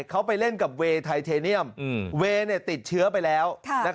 เขาไปเล่นกับเวย์ไทเทเนียมเวย์ติดเชื้อไปแล้ว